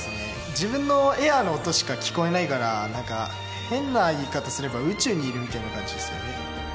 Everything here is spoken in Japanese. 自分のエアーの音しか聞こえないからなんか変な言い方すれば宇宙にいるみたいな感じですよね。